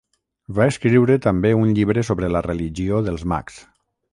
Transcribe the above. Va escriure també un llibre sobre la religió dels mags.